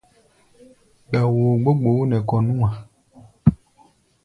Gba-woo gbó gboó nɛ kɔ̧ nú-a.